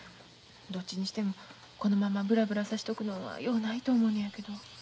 どっちにしてもこのままブラブラさしとくのはようないと思うのやけど。